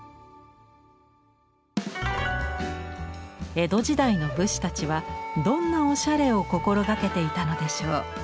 江戸時代の武士たちはどんなおしゃれを心掛けていたのでしょう？